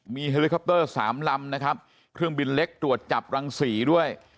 มีสามลำนะครับเครื่องบินเล็กตรวจจับรังสีด้วย